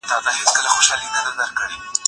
استاد د شاګرد په علمي کچه پوهیږي.